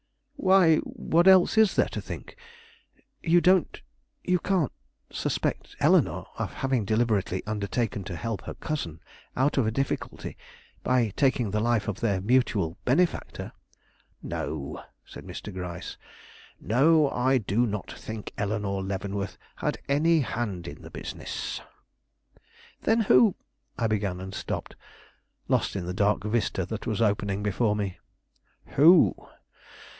"Why, what else is there to think? You don't you can't suspect Eleanore of having deliberately undertaken to help her cousin out of a difficulty by taking the life of their mutual benefactor?" "No," said Mr. Gryce; "no, I do not think Eleanore Leavenworth had any hand in the business." "Then who " I began, and stopped, lost in the dark vista that was opening before me. "Who?